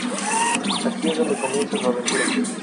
Aquí es donde comienza su aventura.